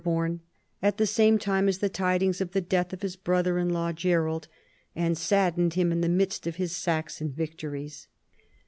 born at the same time as the tidings of the death of his brother in law, Gerold, and saddened him in tlie midst of his Saxon victories.